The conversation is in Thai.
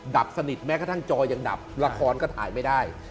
ดับสนิทแม้กระทั่งจอยังดับละครก็ถ่ายไม่ได้